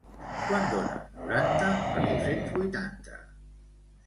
Quant dona noranta per dos-cents vuitanta?